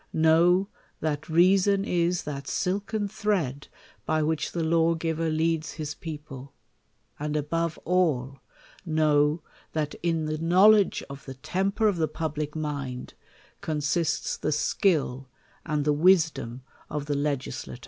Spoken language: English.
Know, that reason is that silken thread by which the lawgiver leads his people; and above all, know, ♦it in the knowledge of the temper of the public mind, consists the skill and the wisdom of the legislator.